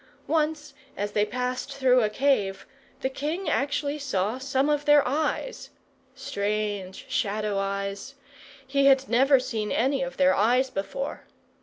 Once, as they passed through a cave, the king actually saw some of their eyes strange shadow eyes; he had never seen any of their eyes before.